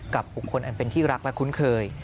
กับบุคคลอันเป็นที่รักและคุ้นเคย